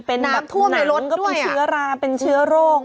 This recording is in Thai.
เป็นเชื้อราเป็นเชื้อโรค